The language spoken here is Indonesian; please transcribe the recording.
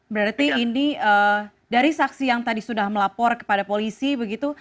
berarti ini dari saksi yang tadi sudah melapor kepada polisi begitu